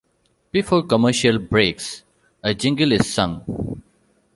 Before commercial breaks, a jingle is sung.